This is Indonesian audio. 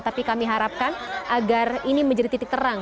tapi kami harapkan agar ini menjadi titik terang